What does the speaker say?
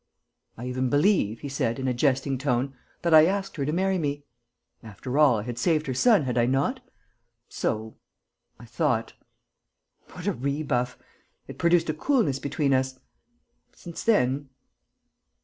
"I even believe," he said, in a jesting tone, "that I asked her to marry me. After all, I had saved her son, had I not?... So ... I thought. What a rebuff!... It produced a coolness between us.... Since then...."